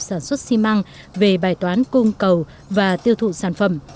doanh nghiệp sản xuất xi măng về bài toán cung cầu và tiêu thụ sản phẩm